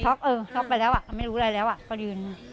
เออช็อกไปแล้วอ่ะไม่รู้อะไรแล้วก็ยืน